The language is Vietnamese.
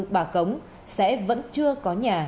bà cống sẽ vẫn chưa có nhà